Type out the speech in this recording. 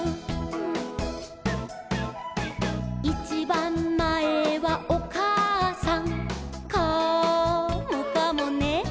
「いちばんまえはおかあさん」「カモかもね」